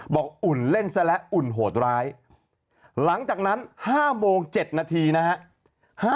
อุ่นเล่นซะแล้วอุ่นโหดร้ายหลังจากนั้น๕โมง๗นาทีนะฮะ